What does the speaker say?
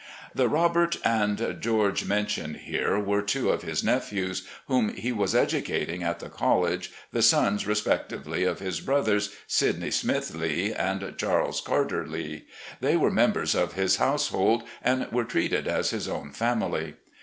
The Robert and Geoi^e mentioned here were two of his nephews whom he was educating at the college, the sons, respectively, of his brothers, Sydney Smith Lee and Charles Carter Lee. They were members of his house hold and were treated as his own family.